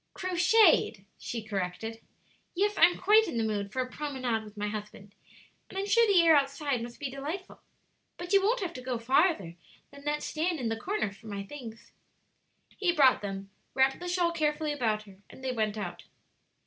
"Crocheted," she corrected; "yes, I'm quite in the mood for a promenade with my husband; and I'm sure the air outside must be delightful. But you won't have to go farther than that stand in the corner for my things." He brought them, wrapped the shawl carefully about her, and they went out.